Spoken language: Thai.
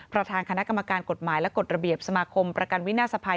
ประธานคณะกรรมการกฎหมายและกฎระเบียบสมาคมประกันวินาศภัย